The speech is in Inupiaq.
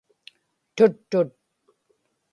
tuttut